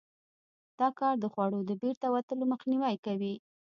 دا کار د خوړو د بیرته وتلو مخنیوی کوي.